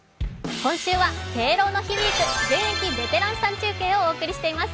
今週は「敬老の日ウィーク現役ベテランさん中継」をお送りしています。